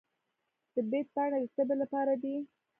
د بید پاڼې د تبې لپاره دي.